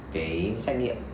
cái xét nghiệm